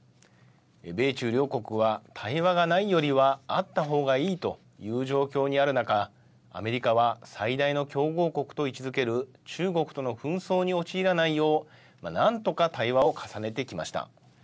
米中両国は、対話がないよりはあったほうがいいという状況にある中アメリカは最大の強豪国と位置づける中国との紛争に陥らないよう何とか対話を重ねてきました。